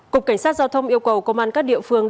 cục cảnh sát giao thông yêu cầu công an các địa phương